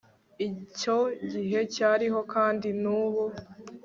icyo gihe cyariho kandi nubu